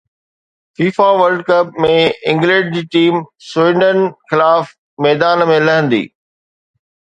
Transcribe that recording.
FIFA world cup ۾ England جي team Sweden خلاف ميدان ۾ لهندي